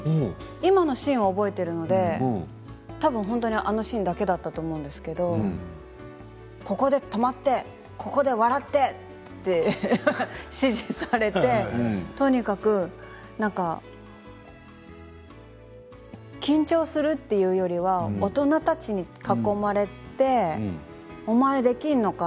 今のシーンは覚えているので多分、本当にあのシーンだけだったと思うんですけれどここで止まってここで笑ってって指示されてとにかく何か緊張するというよりは大人たちに囲まれてお前、できんのか？